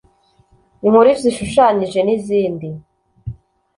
inkuru zishushanyije n’izindi